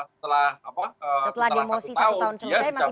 setelah demosi satu tahun selesai masih bisa naik ya